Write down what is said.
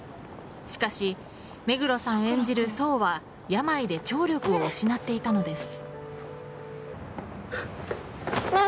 しかし、目黒さん演じる想は病で病で聴力を失っていたのです。